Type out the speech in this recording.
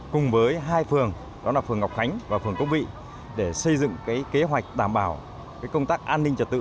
cùng với hai phường đó là phường ngọc khánh và phường cốc vị để xây dựng kế hoạch đảm bảo công tác an ninh trật tự